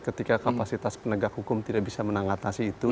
ketika kapasitas penegak hukum tidak bisa menanggapi itu